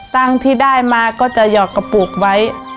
ตังค์ที่ได้มาก็จะหยอกกระปุกไว้